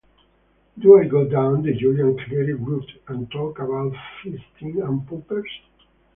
Do I go down the Julian Clary route and talk about fisting and poppers?